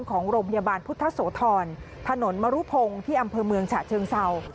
ของโรงพยาบาลพุทธโสธรถนนมรุพงศ์ที่อำเภอเมืองฉะเชิงเศร้า